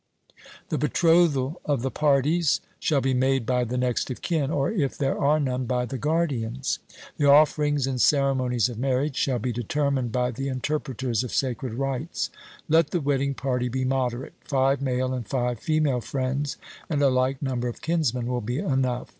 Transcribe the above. The betrothal of the parties shall be made by the next of kin, or if there are none, by the guardians. The offerings and ceremonies of marriage shall be determined by the interpreters of sacred rites. Let the wedding party be moderate; five male and five female friends, and a like number of kinsmen, will be enough.